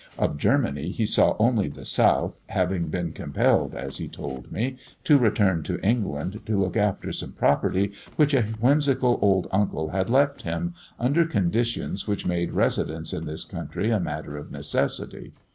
Of Germany he saw only the south, having been compelled, as he told me, to return to England to look after some property which a whimsical old uncle had left him, under conditions which make residence in this country a matter of necessity.